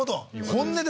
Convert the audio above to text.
本音で。